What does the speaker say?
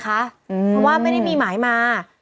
เพราะว่าไม่ได้มีหมายมา